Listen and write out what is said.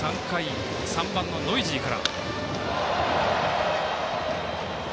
３番のノイジーから。